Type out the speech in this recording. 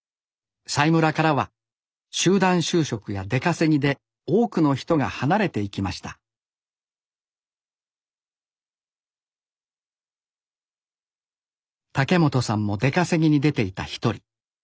佐井村からは集団就職や出稼ぎで多くの人が離れていきました竹本さんも出稼ぎに出ていた一人。